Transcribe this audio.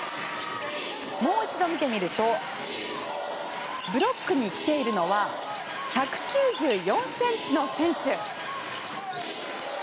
もう一度見てみるとブロックに来ているのは１９４ｃｍの選手。